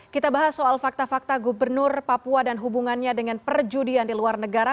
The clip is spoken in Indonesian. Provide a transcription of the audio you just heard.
kita bahas soal fakta fakta gubernur papua dan hubungannya dengan perjudian di luar negara